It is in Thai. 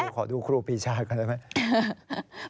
ขอดูครูปีชาก่อนได้ไหม